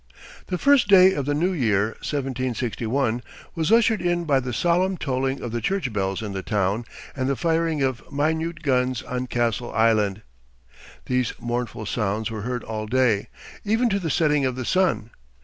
The first day of the new year, 1761, was ushered in by the solemn tolling of the church bells in the town, and the firing of minute guns on Castle Island. These mournful sounds were heard all day, even to the setting of the sun.